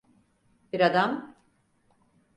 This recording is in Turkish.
Bir adam…